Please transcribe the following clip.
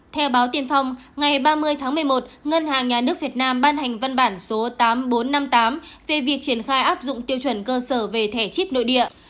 theo báo tiên phong ngày ba mươi tháng một mươi một ngân hàng nhà nước việt nam ban hành văn bản số tám nghìn bốn trăm năm mươi tám về việc triển khai áp dụng tiêu chuẩn cơ sở về thẻ chip nội địa